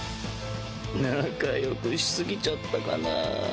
仲よくし過ぎちゃったかなぁ？